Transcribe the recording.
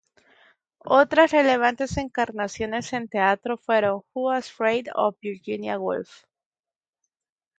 Otras relevantes encarnaciones en teatro fueron "Who's Afraid of Virginia Woolf?